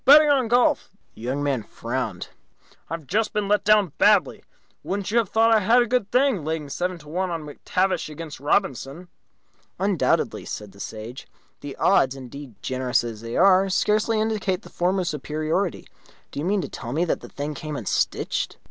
Betting on golf." The Young Man frowned. "I've just been let down badly. Wouldn't you have thought I had a good thing, laying seven to one on McTavish against Robinson?" "Undoubtedly," said the Sage. "The odds, indeed, generous as they are, scarcely indicate the former's superiority. Do you mean to tell me that the thing came unstitched?"